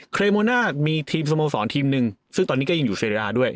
เรโมน่ามีทีมสโมสรทีมหนึ่งซึ่งตอนนี้ก็ยังอยู่เซราด้วย